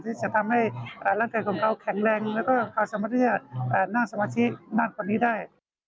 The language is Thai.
ที่จะทำให้ร่างกายของเขาแข็งแรงแล้วก็เขาสามารถที่จะนั่งสมาธิมากกว่านี้ได้